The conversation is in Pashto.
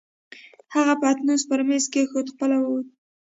هغې پتنوس پر مېز کېښود، خپله ووته.